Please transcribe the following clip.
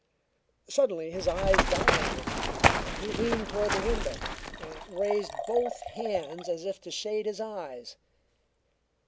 Suddenly his eyes dilated; he leaned toward the window, and raised both hands as if to shade his eyes.